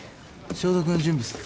消毒の準備する。